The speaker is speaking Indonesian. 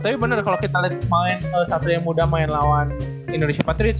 tapi bener kalo kita liat satria muda main lawan indonesian patriots